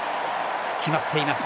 決まっています。